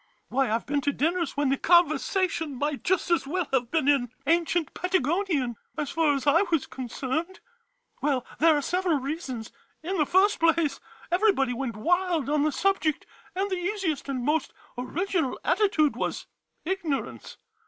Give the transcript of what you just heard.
Why, I 've been to dinners when the conver sation might just as well have been in an cient Patagonian, as far as I was concerned. Well, there are several reasons, — in the first place, everybody went wild on the subject, and the easiest and most original attitude was ignorance.